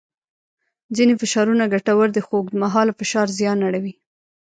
ځینې فشارونه ګټور دي خو اوږدمهاله فشار زیان اړوي.